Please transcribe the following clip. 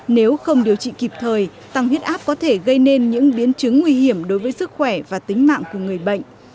nếu không điều trị kịp thời tăng huyết áp có thể gây nên những biến chứng nguy hiểm đối với sức khỏe và tính mạng của người bệnh